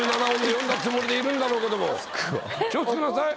気をつけなさい。